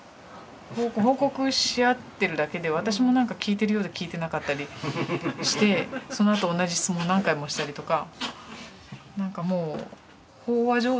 報告し合ってるだけで私もなんか聞いてるようで聞いてなかったりしてそのあと同じ質問を何回もしたりとか。